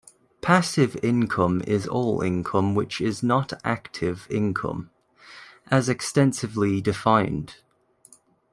Passive income is all income which is not active income, as extensively defined.